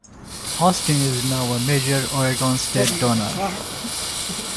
Austin is now a major Oregon State donor.